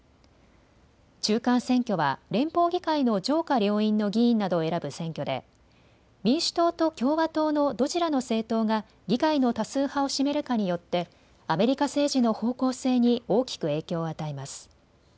中間選挙は連邦議会の上下両院の議員などを選ぶ選挙で民主党と共和党のどちらの政党が議会の多数派を占めるかによってアメリカ政治の方向性に大きく影響を与えます。